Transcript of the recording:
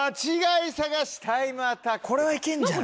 これはいけんじゃない？